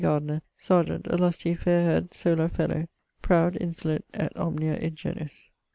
Gardiner, serjeant, a lusty faire haired solar fellow, prowd, insolent, et omnia id genus.